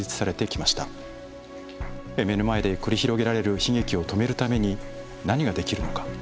目の前で繰り広げられる悲劇を止めるために何ができるのか。